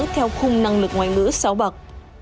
theo khung năng lực ngoại ngữ sáu bậc